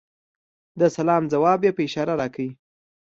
د سلام ځواب یې په اشاره راکړ .